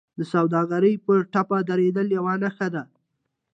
د سوداګرۍ په ټپه درېدل یوه نښه ده